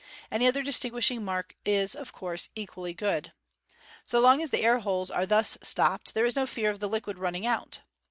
Any other distinguishing mark is, of course, equally good. So long as the air holes are thus stopped, there is no fear of the liquid running out.